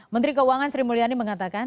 menteri keuangan sri mulyani mengatakan